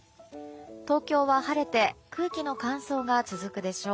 東京は晴れて空気の乾燥が続くでしょう。